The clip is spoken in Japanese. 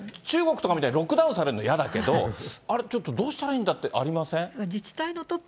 中国とかみたいにロックダウンされるのやだけど、あれ、ちょっとどうしたらいいんだ？ってありません？